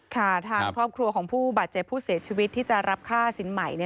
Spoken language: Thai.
ทางครอบครัวของผู้บาดเจ็บผู้เสียชีวิตที่จะรับค่าสินใหม่